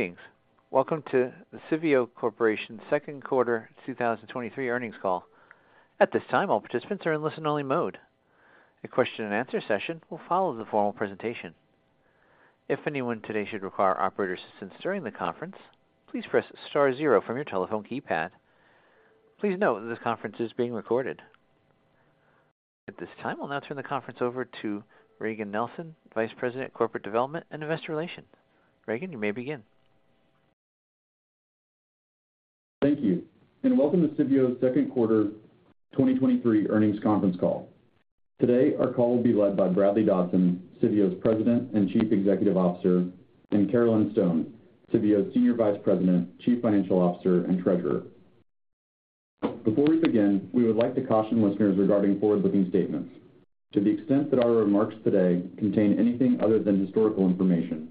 Greetings. Welcome to the Civeo Corporation's Q2 2023 earnings call. At this time, all participants are in listen-only mode. A question and answer session will follow the formal presentation. If anyone today should require operator assistance during the conference, please press star zero from your telephone keypad. Please note that this conference is being recorded. At this time, I'll now turn the conference over to Regan Nielsen, Vice President, Corporate Development and Investor Relations. Regan, you may begin. Thank you, welcome to Civeo's Q2 2023 earnings conference call. Today, our call will be led by Bradley Dodson, Civeo's President and Chief Executive Officer, and Carolyn Stone, Civeo's Senior Vice President, Chief Financial Officer, and Treasurer. Before we begin, we would like to caution listeners regarding forward-looking statements. To the extent that our remarks today contain anything other than historical information,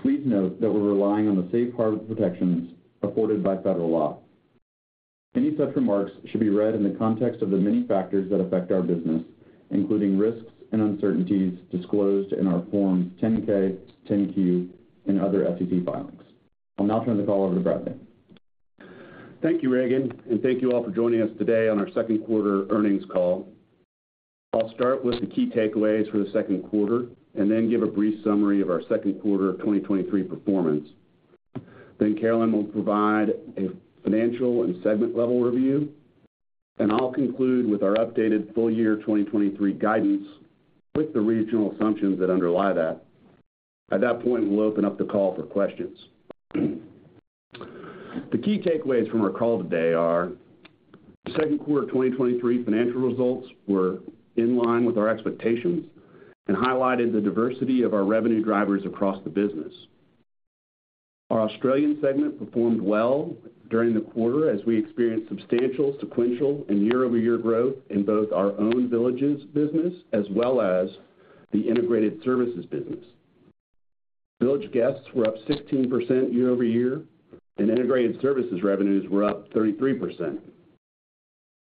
please note that we're relying on the safe harbor protections afforded by federal law. Any such remarks should be read in the context of the many factors that affect our business, including risks and uncertainties disclosed in our Form 10-K, 10-Q, and other SEC filings. I'll now turn the call over to Bradley. Thank you, Regan. Thank you all for joining us today on our Q2 earnings call. I'll start with the key takeaways for the Q2 and then give a brief summary of our Q2 of 2023 performance. Carolyn will provide a financial and segment-level review, and I'll conclude with our updated full year 2023 guidance, with the regional assumptions that underlie that. At that point, we'll open up the call for questions. The key takeaways from our call today are: the Q2 of 2023 financial results were in line with our expectations and highlighted the diversity of our revenue drivers across the business. Our Australian segment performed well during the quarter as we experienced substantial sequential and year-over-year growth in both our owned villages business as well as the integrated services business. Village guests were up 16% year-over-year, and integrated services revenues were up 33%.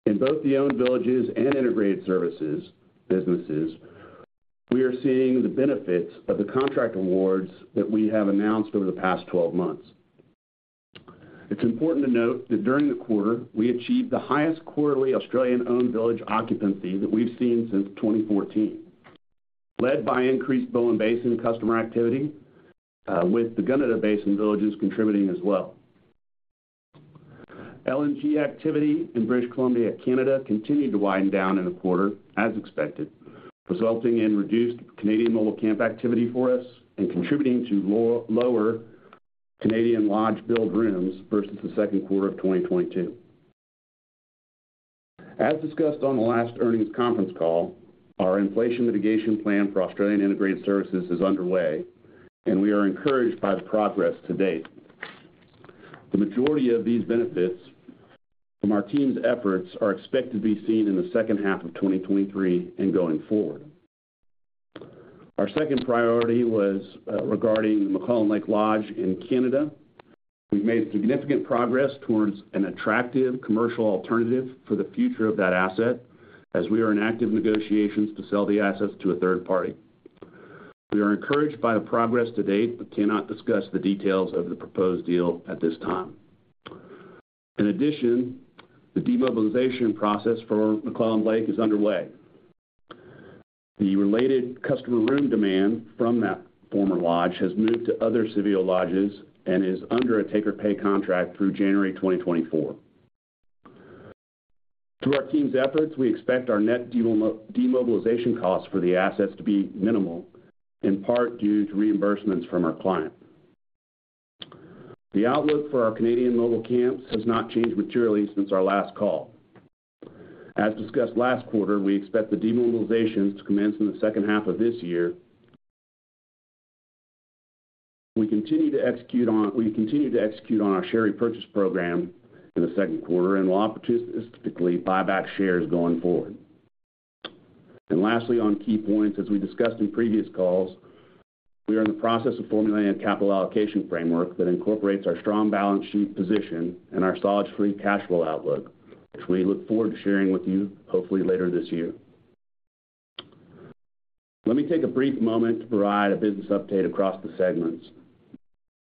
In both the owned villages and integrated services businesses, we are seeing the benefits of the contract awards that we have announced over the past 12 months. It's important to note that during the quarter, we achieved the highest quarterly Australian owned village occupancy that we've seen since 2014, led by increased Bowen Basin customer activity, with the Gunnedah Basin villages contributing as well. LNG activity in British Columbia, Canada, continued to wind down in the quarter, as expected, resulting in reduced Canadian mobile camp activity for us and contributing to lower Canadian lodge billed rooms versus the Q2 of 2022. As discussed on the last earnings conference call, our inflation mitigation plan for Australian integrated services is underway, and we are encouraged by the progress to date. The majority of these benefits from our team's efforts are expected to be seen in the H2 of 2023 and going forward. Our second priority was regarding the McClellan Lake Lodge in Canada. We've made significant progress towards an attractive commercial alternative for the future of that asset, as we are in active negotiations to sell the assets to a third party. We are encouraged by the progress to date but cannot discuss the details of the proposed deal at this time. In addition, the demobilization process for McClellan Lake is underway. The related customer room demand from that former lodge has moved to other Civeo lodges and is under a take-or-pay contract through January 2024. Through our team's efforts, we expect our net demobilization costs for the assets to be minimal, in part due to reimbursements from our client. The outlook for our Canadian mobile camps has not changed materially since our last call. As discussed last quarter, we expect the demobilization to commence in the H2 of this year. We continue to execute on our share repurchase program in the Q2. We'll opportunistically buy back shares going forward. Lastly, on key points, as we discussed in previous calls, we are in the process of formulating a capital allocation framework that incorporates our strong balance sheet position and our solid free cash flow outlook, which we look forward to sharing with you, hopefully later this year. Let me take a brief moment to provide a business update across the segments.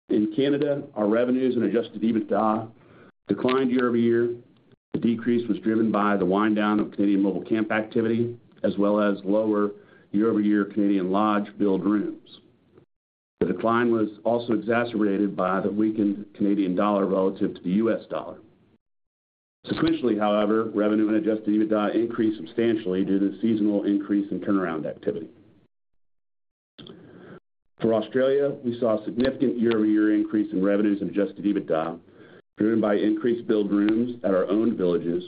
In Canada, our revenues and Adjusted EBITDA declined year-over-year. The decrease was driven by the wind down of Canadian mobile camp activity, as well as lower year-over-year Canadian lodge billed rooms. The decline was also exacerbated by the weakened Canadian dollar relative to the US dollar. Sequentially, however, revenue and Adjusted EBITDA increased substantially due to the seasonal increase in turnaround activity. For Australia, we saw a significant year-over-year increase in revenues and Adjusted EBITDA, driven by increased billed rooms at our owned villages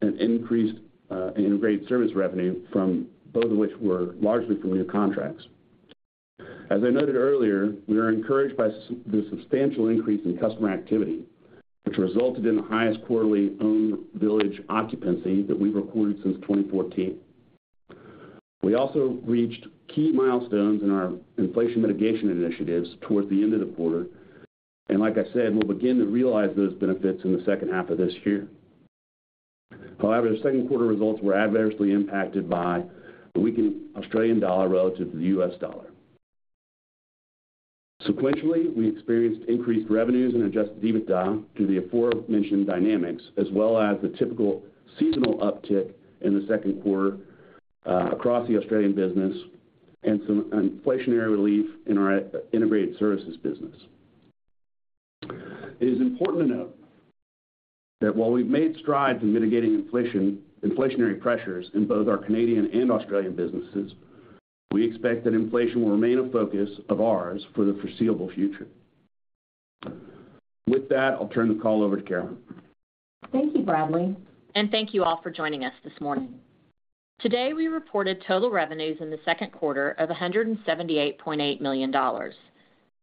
and increased integrated service revenue from both of which were largely from new contracts. As I noted earlier, we are encouraged by the substantial increase in customer activity, which resulted in the highest quarterly owned village occupancy that we've recorded since 2014. We also reached key milestones in our inflation mitigation initiatives towards the end of the quarter, like I said, we'll begin to realize those benefits in the H2 of this year. However, the Q2 results were adversely impacted by the weakened Australian dollar relative to the U.S. dollar. Sequentially, we experienced increased revenues and Adjusted EBITDA to the aforementioned dynamics, as well as the typical seasonal uptick in the Q2 across the Australian business and some inflationary relief in our Integrated Services business. It is important to note that while we've made strides in mitigating inflationary pressures in both our Canadian and Australian businesses, we expect that inflation will remain a focus of ours for the foreseeable future. With that, I'll turn the call over to Carolyn. Thank you, Bradley, and thank you all for joining us this morning. Today, we reported total revenues in the Q2 of $178.8 million,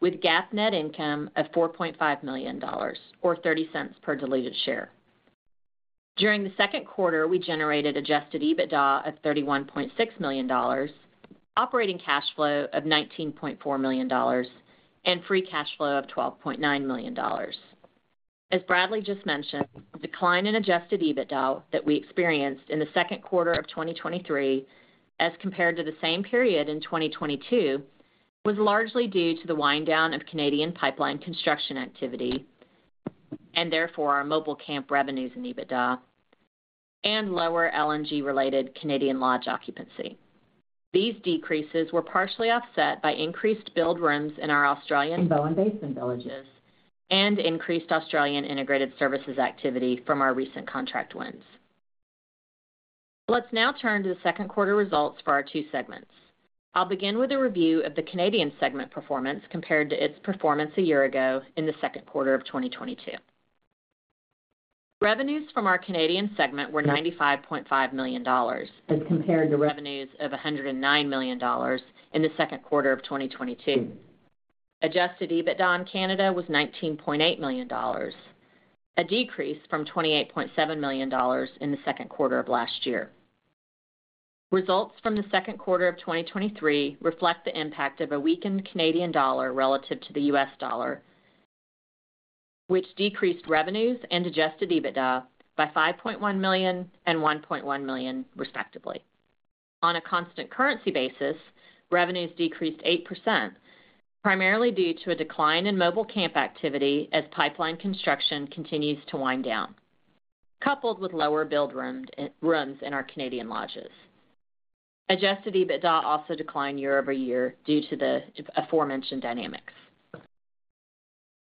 with GAAP net income of $4.5 million, or $0.30 per diluted share. During the Q2, we generated Adjusted EBITDA of $31.6 million, operating cash flow of $19.4 million, and free cash flow of $12.9 million. As Bradley just mentioned, the decline in Adjusted EBITDA that we experienced in the Q2 of 2023, as compared to the same period in 2022, was largely due to the wind down of Canadian pipeline construction activity, and therefore, our mobile camp revenues in EBITDA and lower LNG-related Canadian lodge occupancy. These decreases were partially offset by increased billed rooms in our Australian Bowen Basin villages and increased Australian integrated services activity from our recent contract wins. Let's now turn to the Q2 results for our two segments. I'll begin with a review of the Canadian segment second quarter results for our two segments. I'll begin with a review of the Canadian segment performance compared to its performance a year ago in the Q2 of 2022. Revenues from our Canadian segment were $95.5 million, as compared to revenues of $109 million in the Q2 of 2022. Adjusted EBITDA in Canada was $19.8 million, a decrease from $28.7 million in the Q2 of last year. Results from the Q2 of 2023 reflect the impact of a weakened Canadian dollar relative to the US dollar, which decreased revenues and Adjusted EBITDA by $5.1 million and $1.1 million, respectively. On a constant currency basis, revenues decreased 8%, primarily due to a decline in mobile camp activity as pipeline construction continues to wind down, coupled with lower billed rooms in our Canadian lodges. Adjusted EBITDA also declined year-over-year due to the aforementioned dynamics.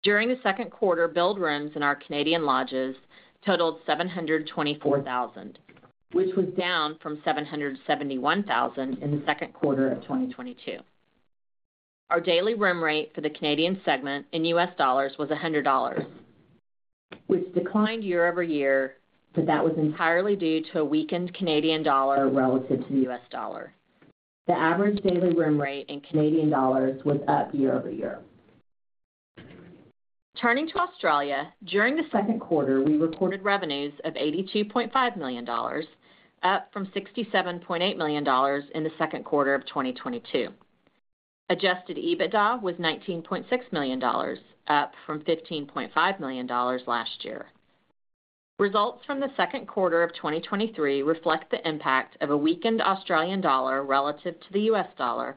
During the Q2, billed rooms in our Canadian lodges totaled 724,000, which was down from 771,000 in the Q2 of 2022. Our daily room rate for the Canadian segment in US dollars was $100, which declined year-over-year. That was entirely due to a weakened Canadian dollar relative to the US dollar. The average daily room rate in Canadian dollars was up year-over-year. Turning to Australia, during the Q2, we recorded revenues of $82.5 million, up from $67.8 million in the Q2 of 2022. Adjusted EBITDA was $19.6 million, up from $15.5 million last year. Results from the Q2 of 2023 reflect the impact of a weakened Australian dollar relative to the US dollar,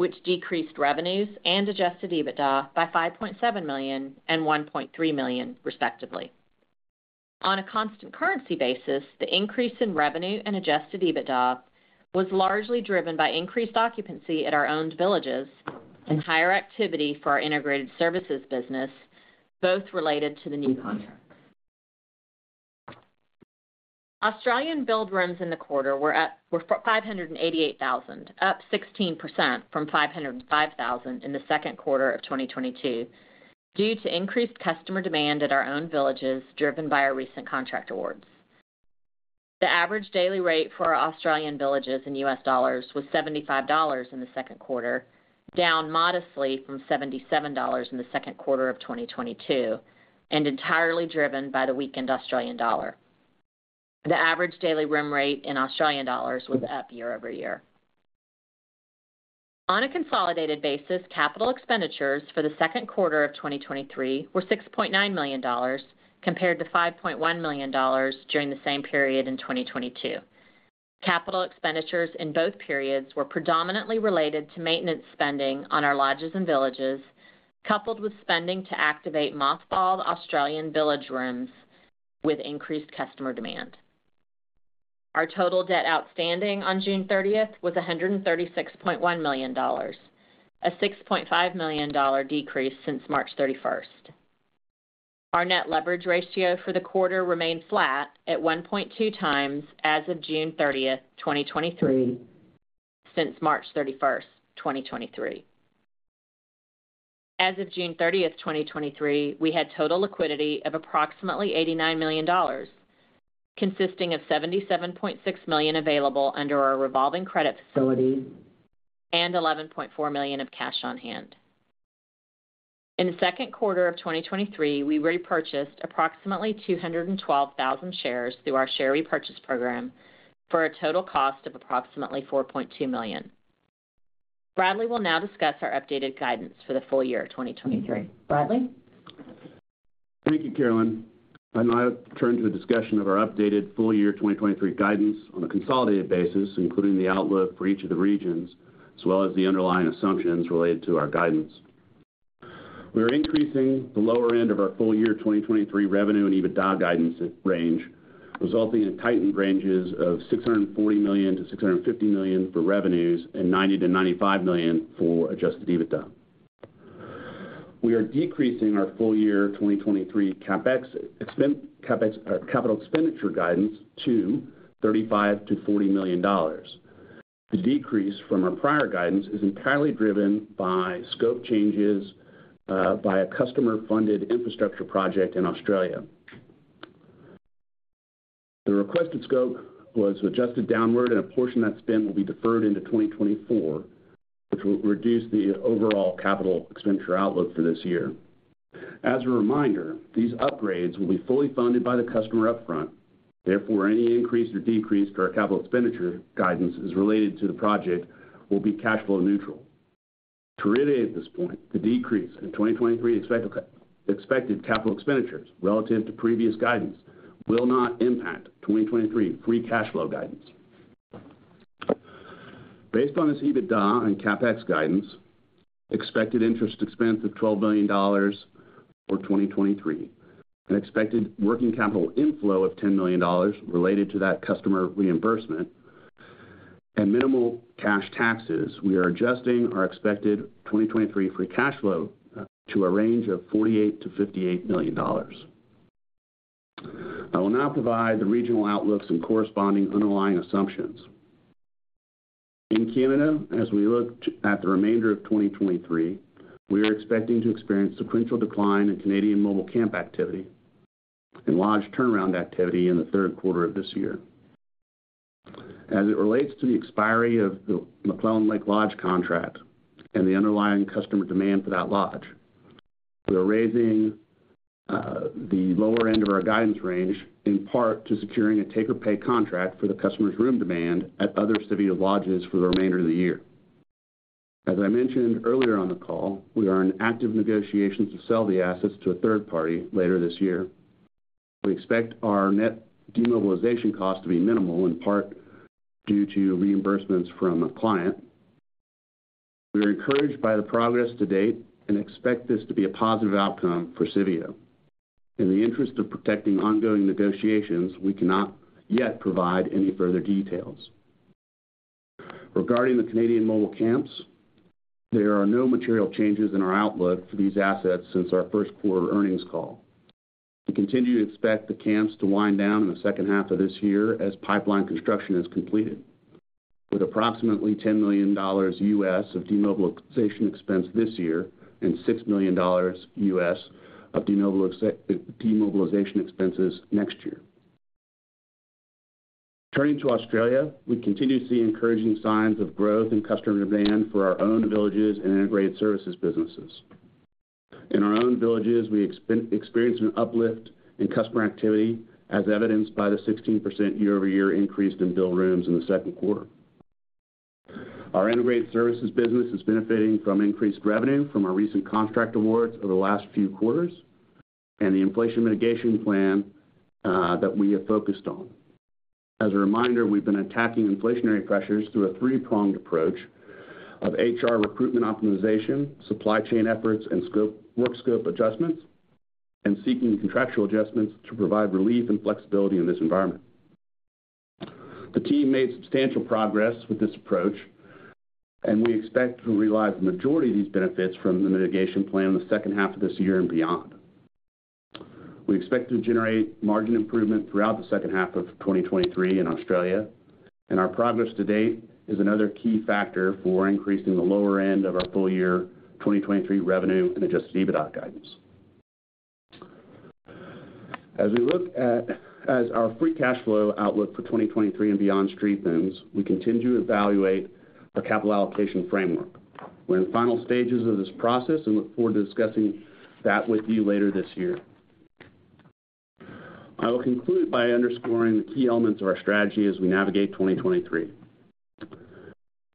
which decreased revenues and Adjusted EBITDA by $5.7 million and $1.3 million, respectively. On a constant currency basis, the increase in revenue and Adjusted EBITDA was largely driven by increased occupancy at our owned villages and higher activity for our integrated services business, both related to the new contract. Australian billed rooms in the quarter were 588,000, up 16% from 505,000 in the Q2 of 2022, due to increased customer demand at our owned villages, driven by our recent contract awards. The average daily rate for our Australian villages in U.S. dollars was $75 in the Q2, down modestly from $77 in the Q2 of 2022. Entirely driven by the weakened Australian dollar, the average daily room rate in Australian dollars was up year-over-year. On a consolidated basis, CapEx for the Q2 of 2023 were $6.9 million, compared to $5.1 million during the same period in 2022. CapEx in both periods were predominantly related to maintenance spending on our lodges and villages, coupled with spending to activate mothballed Australian village rooms with increased customer demand. Our total debt outstanding on June 30th was $136.1 million, a $6.5 million decrease since March 31st. Our net leverage ratio for the quarter remained flat at 1.2x as of June 30th, 2023, since March 31st, 2023. As of June 30th, 2023, we had total liquidity of approximately $89 million, consisting of $77.6 million available under our revolving credit facility and $11.4 million of cash on hand. In the Q2 of 2023, we repurchased approximately 212,000 shares through our share repurchase program for a total cost of approximately $4.2 million. Bradley will now discuss our updated guidance for the full year of 2023. Bradley? Thank you, Carolyn. I now turn to a discussion of our updated full year 2023 guidance on a consolidated basis, including the outlook for each of the regions, as well as the underlying assumptions related to our guidance. We are increasing the lower end of our full year 2023 revenue and EBITDA guidance range, resulting in tightened ranges of $640 million-$650 million for revenues and $90 million-$95 million for Adjusted EBITDA. We are decreasing our full year 2023 CapEx capital expenditure guidance to $35 million-$40 million. The decrease from our prior guidance is entirely driven by scope changes by a customer-funded infrastructure project in Australia. The requested scope was adjusted downward, and a portion of that spend will be deferred into 2024, which will reduce the overall capital expenditure outlook for this year. As a reminder, these upgrades will be fully funded by the customer upfront. Therefore, any increase or decrease to our capital expenditure guidance as related to the project will be cash flow neutral. To reiterate at this point, the decrease in 2023 expected capital expenditures relative to previous guidance will not impact 2023 free cash flow guidance. Based on this EBITDA and CapEx guidance, expected interest expense of $12 million for 2023, an expected working capital inflow of $10 million related to that customer reimbursement, and minimal cash taxes, we are adjusting our expected 2023 free cash flow to a range of $48 million-$58 million. I will now provide the regional outlooks and corresponding underlying assumptions. In Canada, as we look at the remainder of 2023, we are expecting to experience sequential decline in Canadian mobile camp activity and lodge turnaround activity in the Q3 of this year. As it relates to the expiry of the McClellan Lake Lodge contract and the underlying customer demand for that lodge, we are raising the lower end of our guidance range, in part due to securing a take-or-pay contract for the customer's room demand at other Civeo lodges for the remainder of the year. As I mentioned earlier on the call, we are in active negotiations to sell the assets to a third party later this year. We expect our net demobilization cost to be minimal, in part due to reimbursements from a client. We are encouraged by the progress to date and expect this to be a positive outcome for Civeo. In the interest of protecting ongoing negotiations, we cannot yet provide any further details. Regarding the Canadian mobile camps, there are no material changes in our outlook for these assets since our Q1 earnings call. We continue to expect the camps to wind down in the H2 of this year as pipeline construction is completed, with approximately $10 million of demobilization expense this year and $6 million of demobilization expenses next year. Turning to Australia, we continue to see encouraging signs of growth and customer demand for our own villages and integrated services businesses. In our own villages, we experienced an uplift in customer activity, as evidenced by the 16% year-over-year increase in billed rooms in the Q2. Our integrated services business is benefiting from increased revenue from our recent contract awards over the last few quarters and the inflation mitigation plan that we have focused on. As a reminder, we've been attacking inflationary pressures through a three-pronged approach of HR recruitment optimization, supply chain efforts and scope, work scope adjustments, and seeking contractual adjustments to provide relief and flexibility in this environment. The team made substantial progress with this approach, and we expect to realize the majority of these benefits from the mitigation plan in the H2 of this year and beyond. We expect to generate margin improvement throughout the H2 of 2023 in Australia, and our progress to date is another key factor for increasing the lower end of our full year 2023 revenue and Adjusted EBITDA guidance. As our free cash flow outlook for 2023 and beyond strengthens, we continue to evaluate our capital allocation framework. We're in the final stages of this process and look forward to discussing that with you later this year. I will conclude by underscoring the key elements of our strategy as we navigate 2023.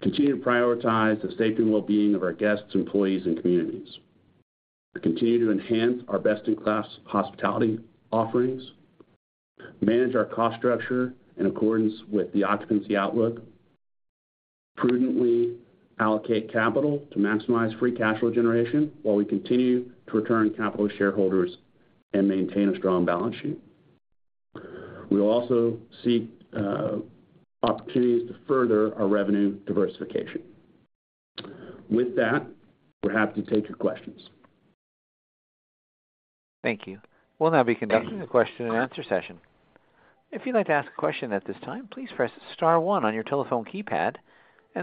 Continue to prioritize the safety and wellbeing of our guests, employees, and communities. To continue to enhance our best-in-class hospitality offerings, manage our cost structure in accordance with the occupancy outlook, prudently allocate capital to maximize free cash flow generation while we continue to return capital to shareholders and maintain a strong balance sheet. We will also seek opportunities to further our revenue diversification. With that, we're happy to take your questions. Thank you. We'll now be conducting a question and answer session. If you'd like to ask a question at this time, please press star 1 on your telephone keypad, and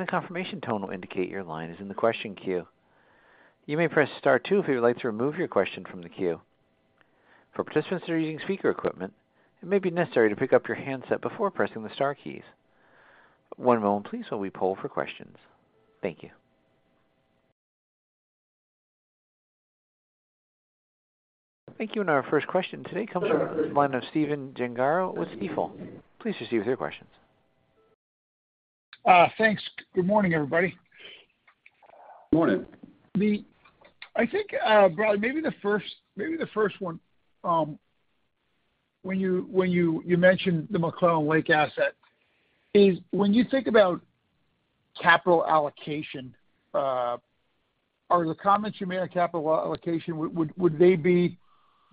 a confirmation tone will indicate your line is in the question queue. You may press star 2 if you would like to remove your question from the queue. For participants that are using speaker equipment, it may be necessary to pick up your handset before pressing the star keys. One moment please while we poll for questions. Thank you. Thank you. Our first question today comes from the line of Stephen Gengaro with Stifel. Please proceed with your questions. Thanks. Good morning, everybody. Good morning. I think, Brad, maybe the first one, when you mentioned the McClellan Lake asset, is when you think about capital allocation, are the comments you made on capital allocation, would they be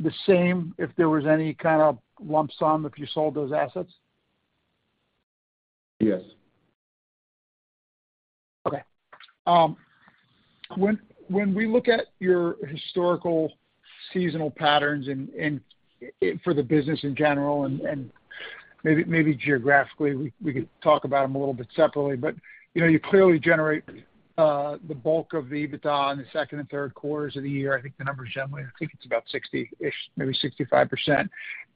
the same if there was any kind of lump sum if you sold those assets? Yes. Okay. When, when we look at your historical seasonal patterns and, and for the business in general, and, and maybe, maybe geographically, we, we could talk about them a little bit separately. You know, you clearly generate the bulk of the EBITDA in the second and Q3 of the year. I think the number is generally, I think it's about 60-ish, maybe 65%.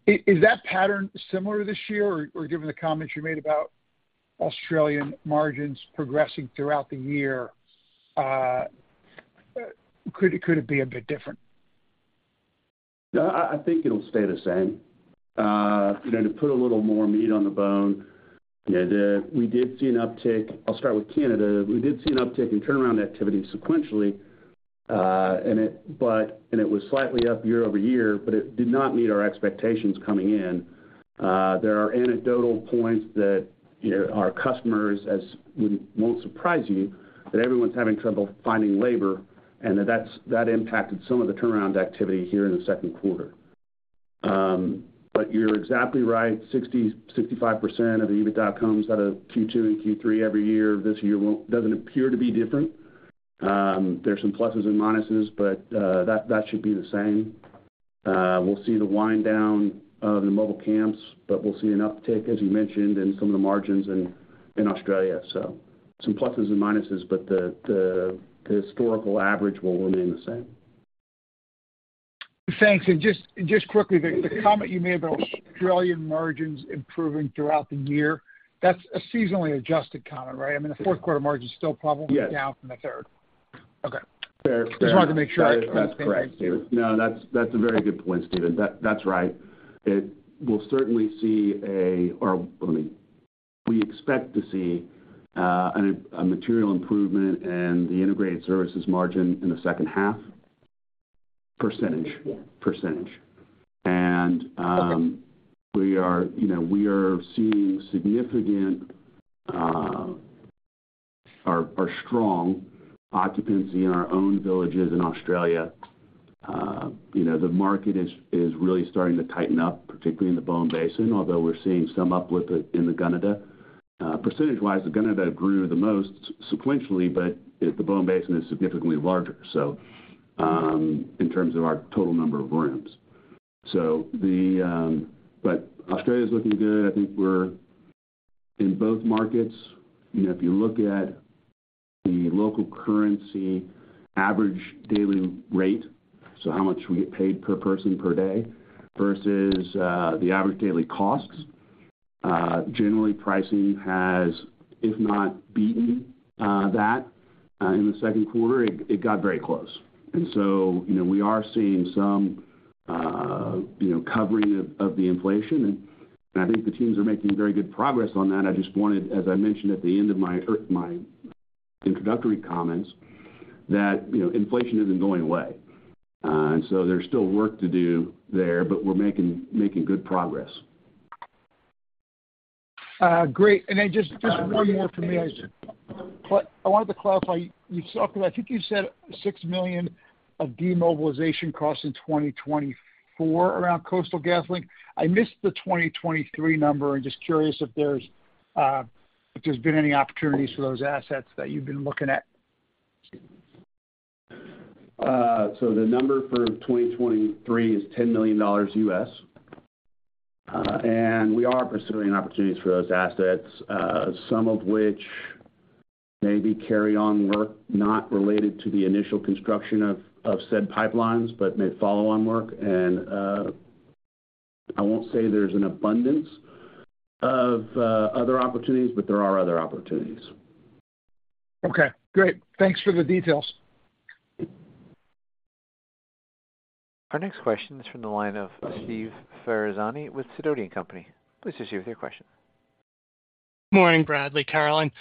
Is that pattern similar this year, or given the comments you made about Australian margins progressing throughout the year, could it be a bit different? No, I, I think it'll stay the same. you know, to put a little more meat on the bone, you know, we did see an uptick. I'll start with Canada. We did see an uptick in turnaround activity sequentially, it was slightly up year-over-year, but it did not meet our expectations coming in. there are anecdotal points that, you know, our customers, as won't surprise you, that everyone's having trouble finding labor, and that's, that impacted some of the turnaround activity here in the Q2. you're exactly right, 60%-65% of the EBITDA comes out of Q2 and Q3 every year. This year doesn't appear to be different. there's some pluses and minuses, that, that should be the same. We'll see the wind down of the mobile camps, but we'll see an uptick, as you mentioned, in some of the margins in, in Australia. Some pluses and minuses, but the, the, the historical average will remain the same. Thanks. Just quickly, the comment you made about Australian margins improving throughout the year, that's a seasonally adjusted comment, right? I mean, the Q4 margin is still probably. Yes. down from the third. Okay. Fair. Just wanted to make sure. No, that's, that's a very good point, Stephen. That's right. We'll certainly see a, or let me, we expect to see a material improvement in the integrated services margin in the H2, percentage. Percentage. And. Okay. we are, you know, we are seeing significant, or strong occupancy in our owned villages in Australia. You know, the market is, is really starting to tighten up, particularly in the Bowen Basin, although we're seeing some uplift in the Gunnedah. Percentage-wise, the Gunnedah grew the most sequentially, but the Bowen Basin is significantly larger, so, in terms of our total number of rooms. Australia is looking good. I think we're in both markets. You know, if you look at the local currency average daily rate, so how much we get paid per person per day versus, the average daily costs, generally, pricing has, if not, beaten, that, in the Q2, it, it got very close. You know, we are seeing some, you know, covering of, of the inflation, and, and I think the teams are making very good progress on that. I just wanted, as I mentioned at the end of my, my introductory comments, that, you know, inflation isn't going away. There's still work to do there, but we're making, making good progress. Great. Then just, just one more for me. I wanted to clarify, you saw, I think you said $6 million of demobilization costs in 2024 around Coastal GasLink. I missed the 2023 number, and just curious if there's been any opportunities for those assets that you've been looking at. The number for 2023 is $10 million. We are pursuing opportunities for those assets, some of which may be carry on work not related to the initial construction of, of said pipelines, but may follow on work. I won't say there's an abundance of other opportunities, but there are other opportunities. Okay, great. Thanks for the details. Our next question is from the line of Steve Ferazani with Sidoti & Company. Please proceed with your question. Morning, Bradley, Carolyn.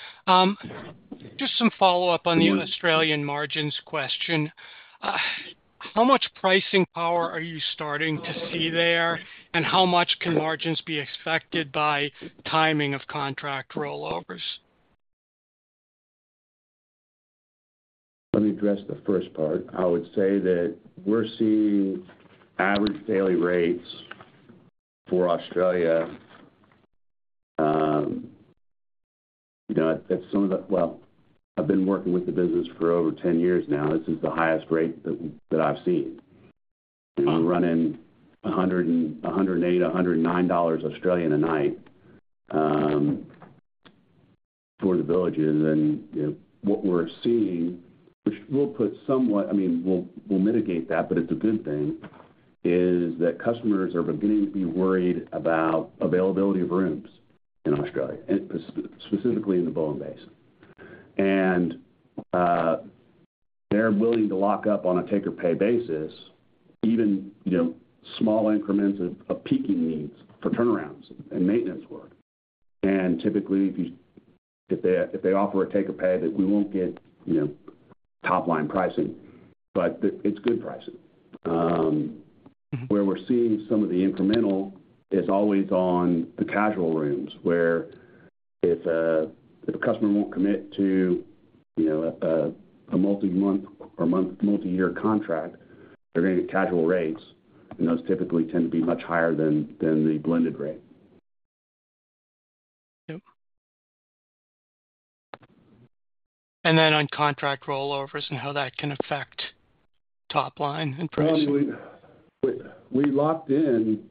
Just some follow-up on the Australian margins question. How much pricing power are you starting to see there? How much can margins be expected by timing of contract rollovers? Let me address the first part. I would say that we're seeing average daily rates for Australia, you know, at some of the-- well, I've been working with the business for over 10 years now. This is the highest rate that, that I've seen. We're running 108, 109 dollars Australian a night for the villages. You know, what we're seeing, which will put somewhat, I mean, we'll, we'll mitigate that, but it's a good thing, is that customers are beginning to be worried about availability of rooms in Australia, and specifically in the Bowen Basin. They're willing to lock up on a take-or-pay basis, even, you know, small increments of, of peaking needs for turnarounds and maintenance work. Typically, if they, if they offer a take-or-pay, that we won't get, you know, top-line pricing, but it's good pricing. Where we're seeing some of the incremental is always on the casual rooms, where if a, if a customer won't commit to, you know, a multi-month or multi-year contract, they're going to get casual rates, and those typically tend to be much higher than, than the blended rate. Yep. Then on contract rollovers and how that can affect top line and pricing? We, we locked in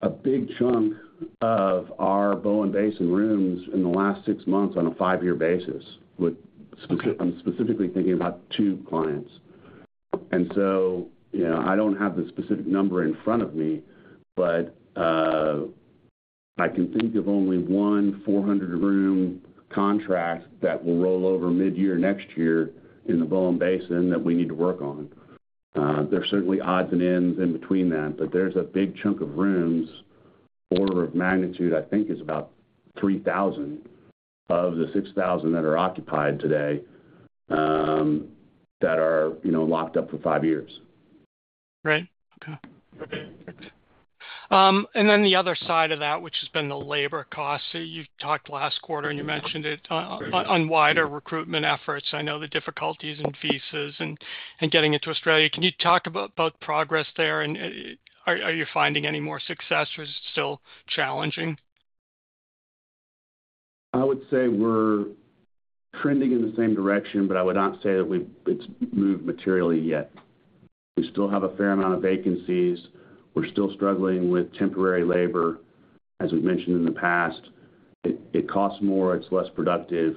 a big chunk of our Bowen Basin rooms in the last 6 months on a 5-year basis, with spec-- I'm specifically thinking about 2 clients. You know, I don't have the specific number in front of me, but I can think of only 1 400 room contract that will roll over mid-year next year in the Bowen Basin that we need to work on. There are certainly odds and ends in between that, but there's a big chunk of rooms, order of magnitude, I think, is about 3,000 of the 6,000 that are occupied today, that are, you know, locked up for 5 years. Right. Okay. The other side of that, which has been the labor costs. You talked last quarter, and you mentioned it on wider recruitment efforts. I know the difficulties in visas and getting into Australia. Can you talk about progress there, and are you finding any more success, or is it still challenging? I would say we're trending in the same direction, but I would not say that we've-- it's moved materially yet. We still have a fair amount of vacancies. We're still struggling with temporary labor. As we've mentioned in the past, it, it costs more, it's less productive,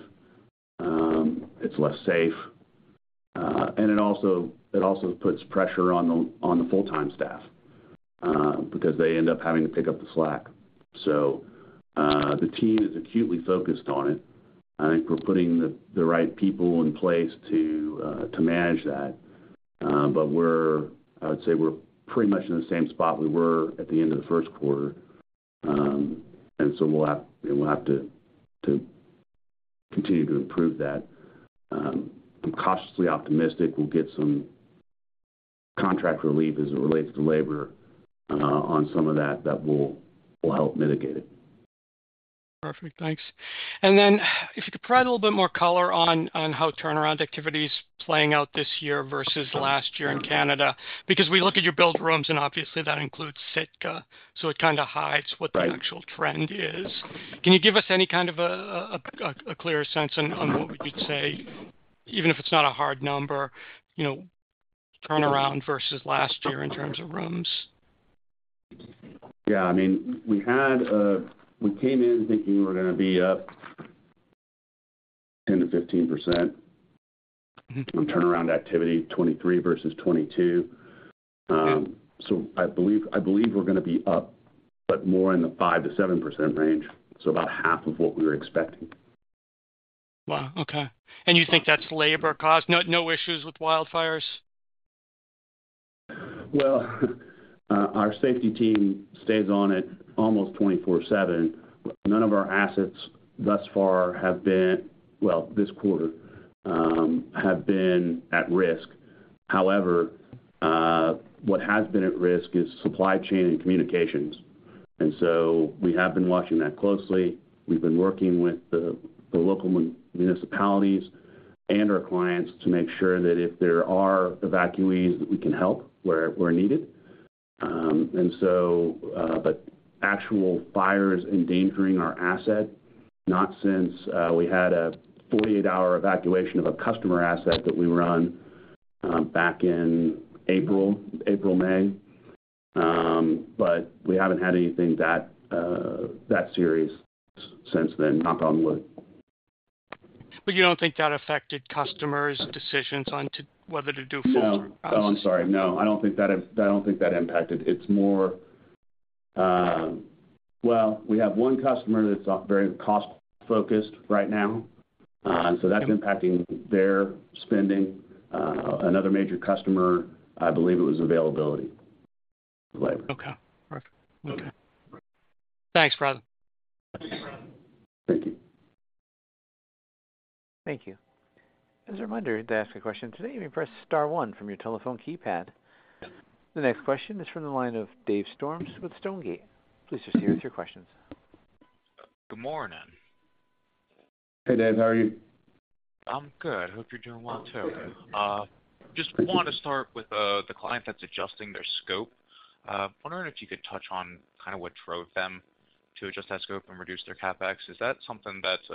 it's less safe, and it also, it also puts pressure on the, on the full-time staff, because they end up having to pick up the slack. The team is acutely focused on it. I think we're putting the, the right people in place to, to manage that. But we're-- I would say we're pretty much in the same spot we were at the end of the first quarter. We'll have, you know, we'll have to, to continue to improve that. I'm cautiously optimistic we'll get some contract relief as it relates to labor, on some of that, that will, will help mitigate it. Perfect. Thanks. Then if you could provide a little bit more color on, on how turnaround activity is playing out this year versus last year in Canada, because we look at your billed rooms, and obviously, that includes Sitka, so it kind of hides. Right. what the actual trend is. Can you give us any kind of a, a, a, a clearer sense on, on what we could say, even if it's not a hard number, you know, turnaround versus last year in terms of rooms? Yeah. I mean, we had, We came in thinking we were going to be up 10% to 15%- -on turnaround activity, 23 versus 22. I believe, I believe we're going to be up, but more in the 5%-7% range, so about half of what we were expecting. Wow, okay. You think that's labor cost? No, no issues with wildfires? Well, our safety team stays on it almost 24/7. None of our assets thus far have been, well, this quarter, have been at risk. However, what has been at risk is supply chain and communications, and so we have been watching that closely. We've been working with the, the local municipalities and our clients to make sure that if there are evacuees, that we can help where we're needed. But actual fires endangering our asset, not since we had a 48-hour evacuation of a customer asset that we were on, back in April, April, May. We haven't had anything that serious since then, knock on wood. You don't think that affected customers' decisions on to whether to do full- No. Oh, I'm sorry. No, I don't think that, I don't think that impacted. It's more. We have one customer that's very cost-focused right now. That's impacting their spending. Another major customer, I believe it was availability, labor. Okay. Perfect. Okay. Thanks, Rod. Thank you. Thank you. As a reminder, to ask a question today, you may press star 1 from your telephone keypad. The next question is from the line of Dave Storms with Stonegate. Please just hear with your questions. Good morning. Hey, Dave. How are you? I'm good. Hope you're doing well, too. Just want to start with the client that's adjusting their scope. Wondering if you could touch on kind of what drove them to adjust that scope and reduce their CapEx. Is that something that's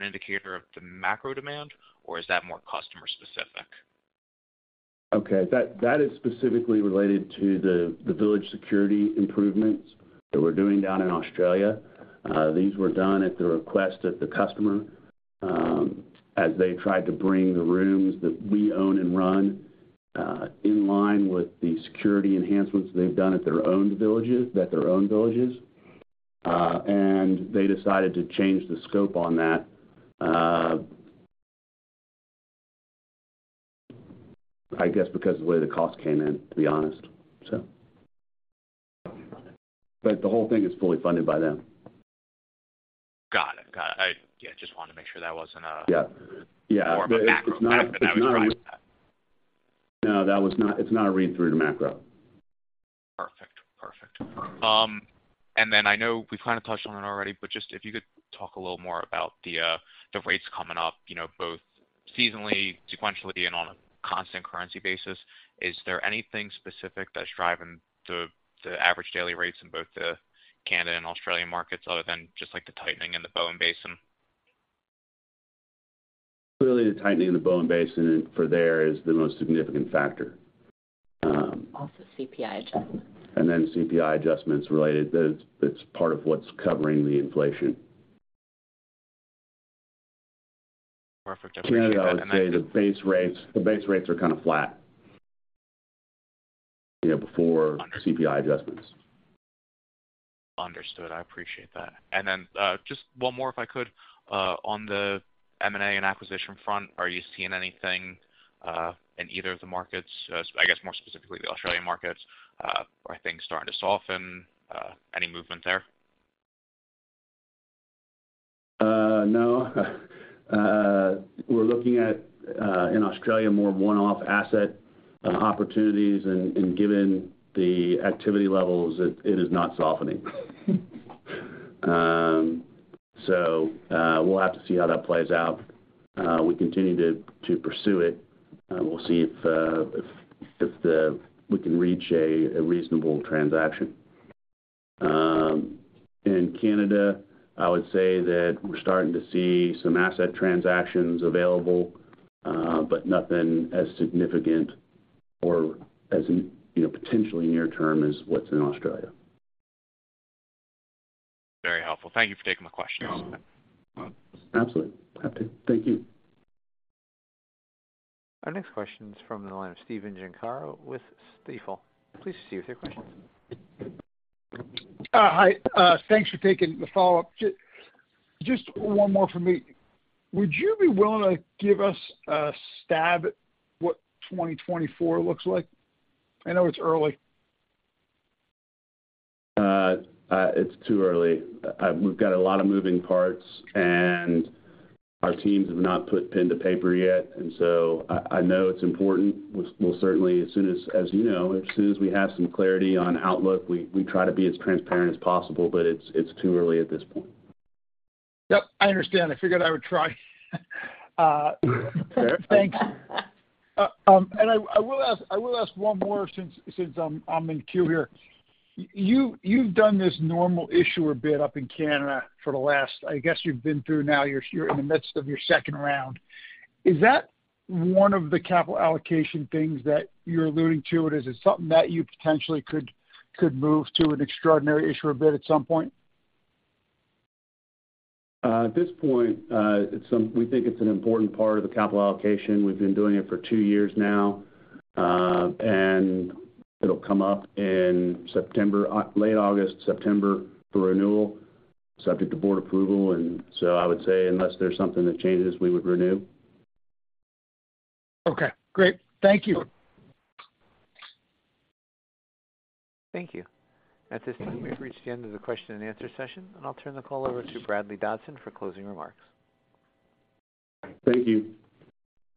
an indicator of the macro demand, or is that more customer specific? Okay. That, that is specifically related to the, the village security improvements that we're doing down in Australia. These were done at the request of the customer, as they tried to bring the rooms that we own and run, in line with the security enhancements they've done at their own villages, at their own villages. They decided to change the scope on that, I guess, because of the way the cost came in, to be honest. The whole thing is fully funded by them. Got it. Got it. I, yeah, just wanted to make sure that wasn't a- Yeah. More of a macro factor that was driving that. No, that was not it's not a read-through to macro. Perfect. Perfect. I know we've kind of touched on it already, but just if you could talk a little more about the rates coming up, you know, both seasonally, sequentially, and on a constant currency basis. Is there anything specific that's driving the average daily rates in both the Canada and Australian markets, other than just like the tightening in the Bowen Basin? Clearly, the tightening in the Bowen Basin for there is the most significant factor. Also CPI adjustment. Then CPI adjustments related. That it's part of what's covering the inflation. Perfect. I would say the base rates, the base rates are kind of flat, you know, before CPI adjustments. Understood. I appreciate that. Then, just one more, if I could. On the M&A and acquisition front, are you seeing anything in either of the markets? I guess more specifically, the Australian markets. Are things starting to soften? Any movement there? No. We're looking at in Australia, more one-off asset opportunities, and given the activity levels, it is not softening. We'll have to see how that plays out. We continue to pursue it, and we'll see if we can reach a reasonable transaction. In Canada, I would say that we're starting to see some asset transactions available, but nothing as significant or as, you know, potentially near term as what's in Australia. Very helpful. Thank you for taking my questions. You're welcome. Absolutely. Happy to. Thank you. Our next question is from the line of Stephen Gengaro with Stifel. Please proceed with your question. Hi, thanks for taking the follow-up. Just one more for me. Would you be willing to give us a stab at what 2024 looks like? I know it's early. It's too early. We've got a lot of moving parts. Our teams have not put pen to paper yet. I, I know it's important. We'll, we'll certainly, as soon as, as you know, as soon as we have some clarity on outlook, we, we try to be as transparent as possible, but it's, it's too early at this point. Yep, I understand. I figured I would try. Fair. Thanks. I, I will ask, I will ask one more since, since I'm, I'm in queue here. You, you've done this normal issuer bid up in Canada for the last... I guess you've been through now, you're, you're in the midst of your second round. Is that one of the capital allocation things that you're alluding to it, or is it something that you potentially could, could move to an extraordinary issuer bid at some point? At this point, it's some-- we think it's an important part of the capital allocation. We've been doing it for two years now. It'll come up in September, late August, September, for renewal, subject to board approval. I would say unless there's something that changes, we would renew. Okay, great. Thank you. Thank you. At this time, we've reached the end of the question and answer session, and I'll turn the call over to Bradley Dodson for closing remarks. Thank you.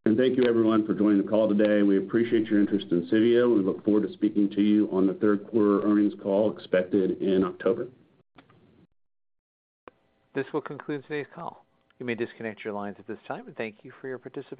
Thank you, everyone, for joining the call today. We appreciate your interest in Civeo, and we look forward to speaking to you on the Q3 earnings call, expected in October. This will conclude today's call. You may disconnect your lines at this time, and thank you for your participation.